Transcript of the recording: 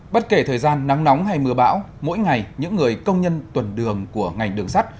bất kể thời gian nắng nóng hay mưa bão mỗi ngày những người công nhân tuần đường của ngành đường sắt